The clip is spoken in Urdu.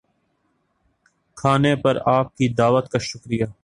کھانے پر آپ کی دعوت کا شکریہ